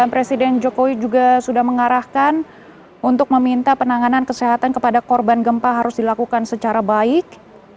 dan presiden jokowi juga sudah mengarahkan untuk meminta penanganan kesehatan kepada korban gempa harus dilakukan secara baik